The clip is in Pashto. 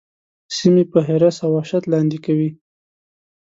سیمې په حرص او وحشت لاندي کوي.